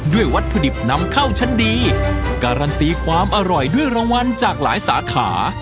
วัตถุดิบนำเข้าชั้นดีการันตีความอร่อยด้วยรางวัลจากหลายสาขา